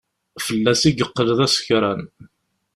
Fell-as i yeqqel d asekṛan.